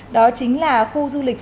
đó chính là khu du lịch